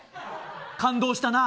感動したなあ。